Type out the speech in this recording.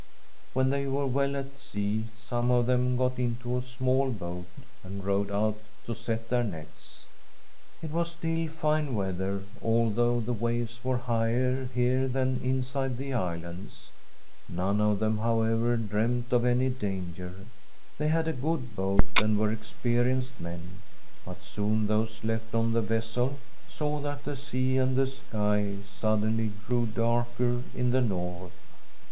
When they were well at sea, some of them got into a small boat and rowed out to set their nets. It was still fine weather, although the waves were higher here than inside the islands. None of them, however, dreamt of any danger. They had a good boat and were experienced men. But soon those left on the vessel saw that the sea and the sky suddenly grew darker in the north.